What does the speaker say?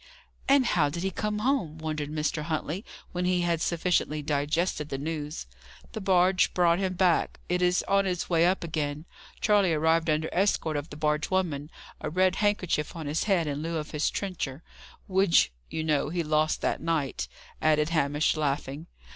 "And how did he come home?" wondered Mr. Huntley, when he had sufficiently digested the news. "The barge brought him back. It is on its way up again. Charley arrived under escort of the barge woman, a red handkerchief on his head in lieu of his trencher, which, you know, he lost that night," added Hamish, laughing.